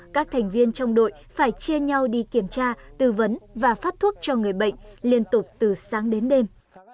các thành viên trong đội phải chia nhau đi kiểm tra tư vấn và phát thuốc cho người bệnh liên tục từ sáng đến đêm